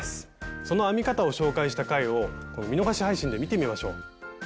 その編み方を紹介した回を見逃し配信で見てみましょう。